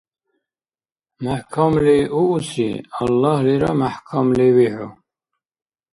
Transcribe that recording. МяхӀкамли ууси, Аллагьлира мяхӀкамли вихӀу.